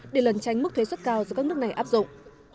để lần tránh mức thuế xuất cao do các nước này áp dụng